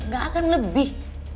gak akan lebih